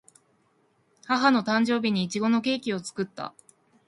母の誕生日にいちごのケーキを作った